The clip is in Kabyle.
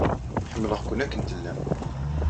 Ḥemmleɣ-ken akken tellam.